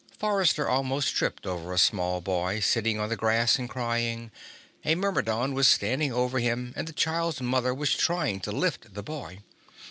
Forrester almost tripped over a small boy sitting on the grass and crying. A Myrmidon was standing over him, and the child's mother was trying to lift the boy.